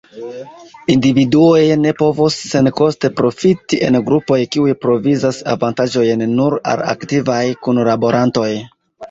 Individuoj ne povos senkoste profiti en grupoj, kiuj provizas avantaĝojn nur al aktivaj kunlaborantoj.